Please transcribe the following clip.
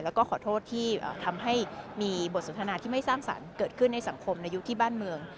แล้วก็ขอโทษที่ทำให้มีบทสนทนาที่ไม่สร้างสรรค์เกิดขึ้นในสังคมในยุคที่บ้านเมือง